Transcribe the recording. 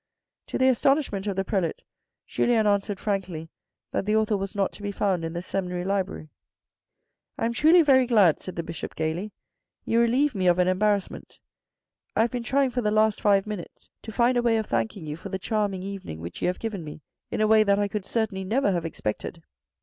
To the astonishment of the prelate, Julien answered frankly that that author was not to be found in the seminary library. " I am truly very glad," said the Bishop gaily, "You relieve me of an embarrassment. I have been trying for the last five minutes to find a way of thanking you for the charm ing evening which you have given me in a way that I could certainly never have expected.